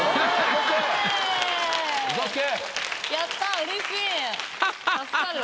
やったうれしい助かる。